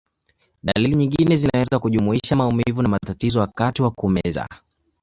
Dalili nyingine zinaweza kujumuisha maumivu na matatizo wakati wa kumeza.